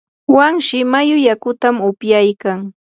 wanshi mayu yakutam upyaykan.